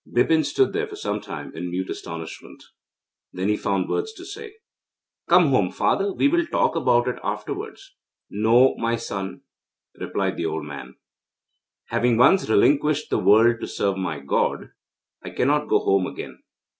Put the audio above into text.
Bipin stood there for some time in mute astonishment. Then he found words to say: 'Come home, father; we will talk about it afterwards.' 'No, my son,' replied the old man, 'having once relinquished the world to serve my God, I cannot go home again.